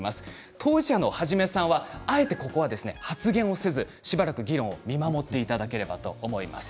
当事者のハジメさんはあえてここは発言をせずしばらく議論を見守っていただければと思います。